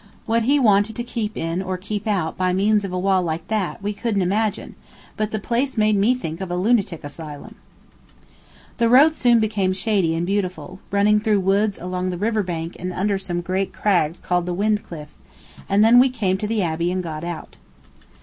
What he wanted to keep in or keep out by means of a wall like that, we couldn't imagine; but the place made me think of a lunatic asylum. The road soon became shady and beautiful, running through woods along the river bank and under some great crags called the Wyndcliffe, and then we came to the Abbey and got out.